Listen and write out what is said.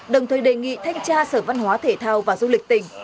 đồng thời đề nghị thanh tra sở văn hóa thể thao và du lịch tỉnh